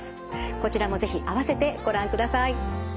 こちらも是非あわせてご覧ください。